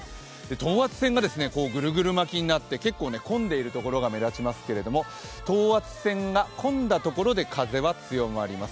等圧線がグルグル巻きになって結構混んでいるところが目立ちますけれども等圧線が混んだところで風は強まります。